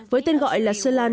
với tên gọi là sơn lan